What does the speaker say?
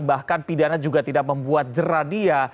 bahkan pidana juga tidak membuat jerah dia